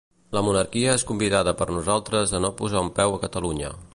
"La monarquia és convidada per nosaltres a no posar un peu a Catalunya"